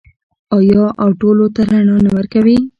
آیا او ټولو ته رڼا نه ورکوي؟